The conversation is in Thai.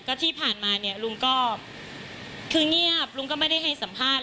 ก็ที่ผ่านมาเนี่ยลุงก็คือเงียบลุงก็ไม่ได้ให้สัมภาษณ์